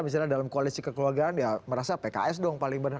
misalnya dalam koalisi kekeluargaan ya merasa pks dong paling berhak